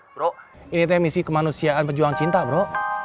bro ini temisi kemanusiaan pejuang cinta bro